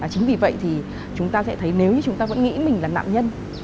chính vì vậy thì chúng ta sẽ thấy nếu như chúng ta vẫn nghĩ mình là nạn nhân